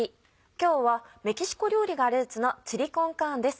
今日はメキシコ料理がルーツの「チリコンカーン」です。